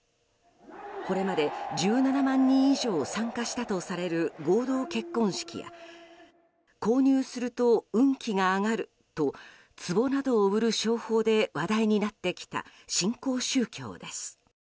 これまで１７万人以上参加したとされる合同結婚式や購入すると運気が上がるとつぼなどを売る商法で話題になってきた新興宗教です。